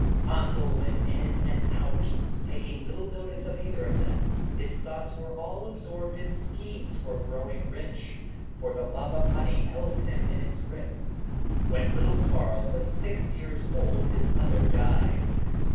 Henzel went in and out, taking little notice of either of them; his thoughts were all absorbed in schemes for growing rich, for the love of money held him in its grip. When little Karl was six years old his mother died.